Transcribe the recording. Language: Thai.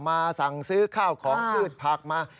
สั่งซื้อข้าวของพืชผักมา